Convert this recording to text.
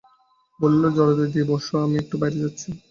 বলিল, দরজা দিয়ে বসো, আমি একটু বাইরে যাচ্ছি।